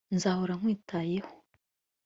Nzahora nkwitayeho